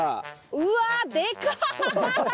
うわでか！